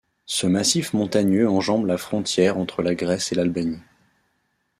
Ce massif montagneux enjambe la frontière entre la Grèce et l'Albanie.